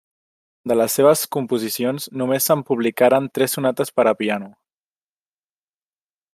De les seves composicions només se'n publicaren tres sonates per a piano.